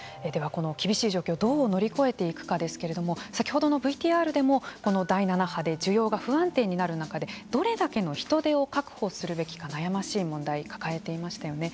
この厳しい状況をどう乗り越えていくかですけれども先ほどのＶＴＲでもこの第７波で需要が不安定になる中でどれだけの人手を確保するべきか悩ましい問題を抱えていましたよね。